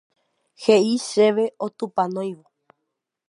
He'i chéve otupanóivo